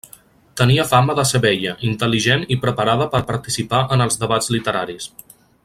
Tenia fama de ser bella, intel·ligent i preparada per a participar en els debats literaris.